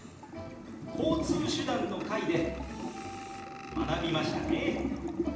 「交通手段」の回で学びましたね。